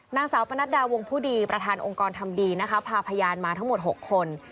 นางสาวปนัดดาวงผู้ดีประธานองค์กรทำดีนะคะพาพยานมาทั้งหมด๖คน